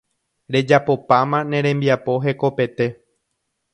rejapopáma ne rembiapo hekopete